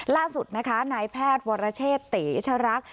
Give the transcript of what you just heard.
ล่าสุดนะคะนายแพทย์วรเชษเตชรัก